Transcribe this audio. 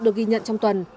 được ghi nhận trong tuần